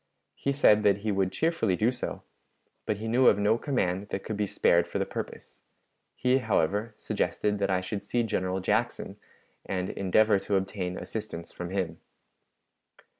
He said that he would cheerfully do so, but he knew of no command that could be spared for the purpose; he, however, suggested that I should see General Jackson, and endeavor to obtain assistance from him.